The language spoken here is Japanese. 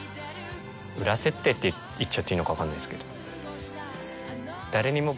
裏設定って言っちゃっていいのか分かんないですけど。